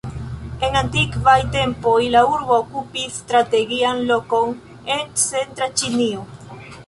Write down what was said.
En antikvaj tempoj la urbo okupis strategian lokon en centra Ĉinio.